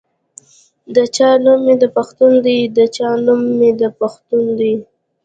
دا چې نوم مې د پښتون دے دا چې نوم مې د پښتون دے